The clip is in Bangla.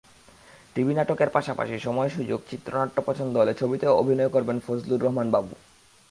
টিভি নাটকের পাশাপাশি সময়-সুযোগ, চিত্রনাট্য পছন্দ হলে ছবিতেও অভিনয় করেন ফজলুর রহমান বাবু।